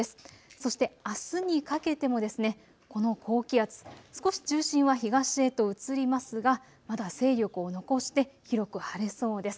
そしてあすにかけてもこの高気圧、少し中心は東へと移りますがまだ勢力を残して広く晴れそうです。